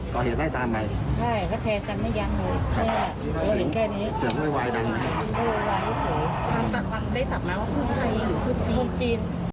เขาแทงกันอยู่ตรงนี้